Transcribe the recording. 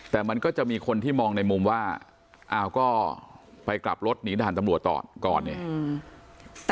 แต่มันก็จะมีคนที่มองในมุมว่าอ้าวก็ไปกลับรถหนีด่านตำรวจต่อก่อนเนี่ย